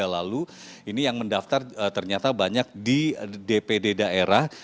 dua puluh tiga lalu ini yang mendaftar ternyata banyak di dpd daerah